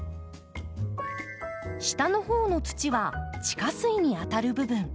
下のほうの土は地下水にあたる部分。